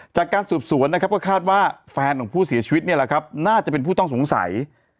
จากการสูบสวนก็คาดว่าแฟนของผู้เสียชีวิตน่าจะเป็นผู้ต้องสงสัย